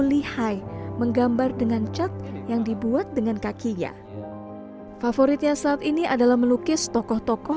lihai menggambar dengan cat yang dibuat dengan kakinya favoritnya saat ini adalah melukis tokoh tokoh